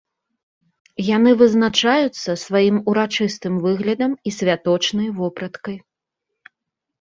Яны вызначаюцца сваім урачыстым выглядам і святочнай вопраткай.